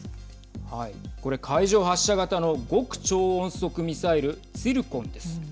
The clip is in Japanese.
これ、海上発射型の極超音速ミサイルツィルコンです。